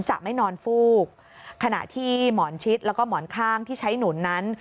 จะไม่นอนฟูกขณะที่หมอนชิดแล้วก็หมอนข้างที่ใช้หนุนนั้น